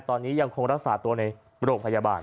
ตอนนี้ยังคงรักษาตัวในโรงพยาบาล